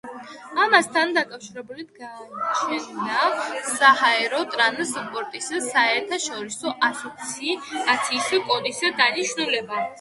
ამასთან დაკავშირებით გააჩნია საჰაერო ტრანსპორტის საერთაშორისო ასოციაციის კოდის დანიშნულება.